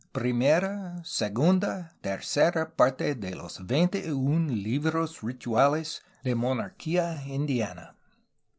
Primera [segunda, tercera^ parte de los veinte i vn libros rituales i mon orchia indiana, v.